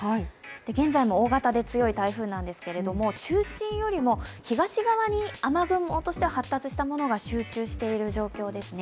現在も大型で強い台風なんですけども、中心よりも東側に雨雲としては発達したものが集中している状況ですね。